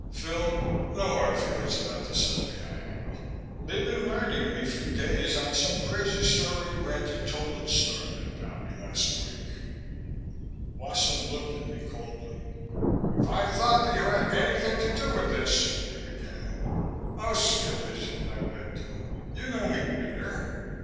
Phil, no hard feelings about this F.B.I. angle. They've been riding me for days on some crazy story Ranty Tolan started about me last week." Wasson looked at me coldly. "If I thought that you had anything to do with this " he began. "Oh skip it!" I begged him. "You know me better."